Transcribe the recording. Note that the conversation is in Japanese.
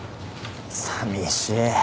さみしい。